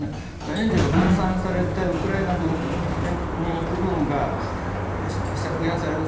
援助が分散されてウクライナ軍に行く分が削減される。